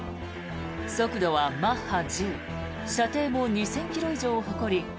速度はマッハ１０射程も２０００ｋｍ以上を誇り